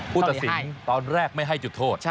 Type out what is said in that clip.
ตัดสินตอนแรกไม่ให้จุดโทษ